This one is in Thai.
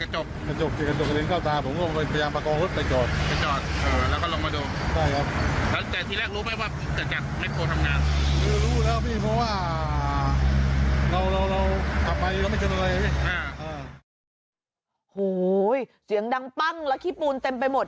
โฮ้วั้วเจี๋งดังปั้งคิบปูนเต็มไปหมด